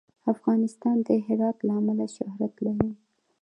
افغانستان د هرات له امله شهرت لري.